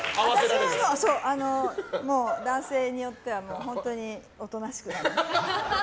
私は男性によっては本当におとなしくなる。